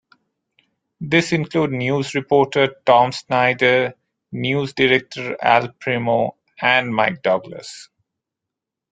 This included news reporter Tom Snyder, news director Al Primo, and Mike Douglas.